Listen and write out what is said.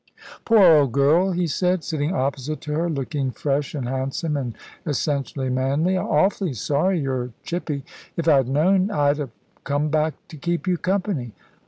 "Poor old girl," he said, sitting opposite to her, looking fresh and handsome, and essentially manly. "'Awfully sorry you're chippy. If I'd known I'd ha' come back to keep you company."